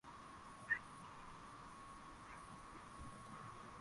sehemu ambayo kwa sasa ni ndani ya Tanzania